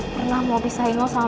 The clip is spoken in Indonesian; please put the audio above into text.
pernah mau pisahin lo sama